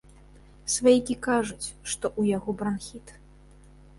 Сваякі кажуць, што ў яго бранхіт.